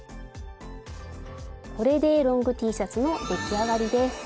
これでロングＴシャツの出来上がりです。